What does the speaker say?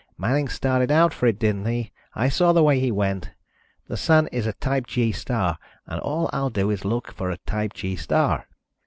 Manning started out for it, didn't he? I saw the way he went. The Sun is a type G star and all I'll do is look for a type G star."